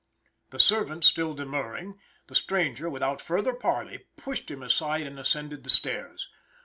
The servant still demurring, the stranger, without further parley, pushed him aside and ascended the stairs.